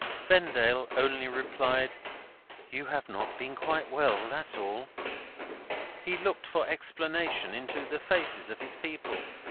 Vendale only replied, "You have not been quite well; that's all." He looked for explanation into the faces of his people.